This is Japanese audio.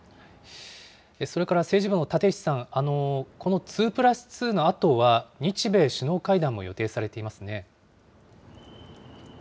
それから政治部の立石さん、この２プラス２のあとは、日米首脳会談も予定されていますね。